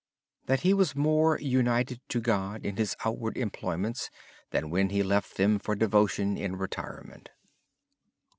He said he was more united to God in his outward employments than when he left them for devotion in retirement.